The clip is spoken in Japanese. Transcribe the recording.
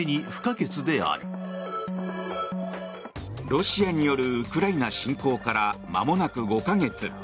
ロシアによるウクライナ侵攻からまもなく５か月。